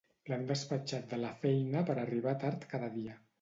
L'han despatxat de la feina per arribar tard cada dia